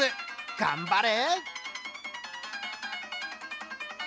頑張れ！